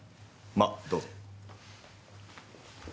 まどうぞ。